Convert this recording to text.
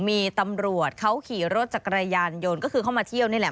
มีตำรวจเขาขี่รถจักรยานยนต์ก็คือเข้ามาเที่ยวนี่แหละ